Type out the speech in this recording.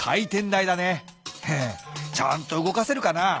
ヘヘッちゃんと動かせるかなあ？